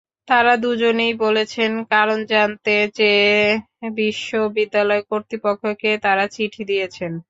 তাঁরা দুজনই বলেছেন, কারণ জানতে চেয়ে বিশ্ববিদ্যালয় কর্তৃপক্ষকে তাঁরা চিঠি দিয়েছেন।